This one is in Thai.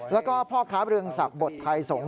แล้วก็พ่อค้าเรืองศักดิ์บทไทยสงฆ